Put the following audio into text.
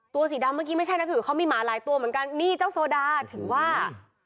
สีดำเมื่อกี้ไม่ใช่นะพี่อุ๋ยเขามีหมาหลายตัวเหมือนกันนี่เจ้าโซดาถึงว่า